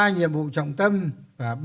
ba nhiệm vụ trọng tâm và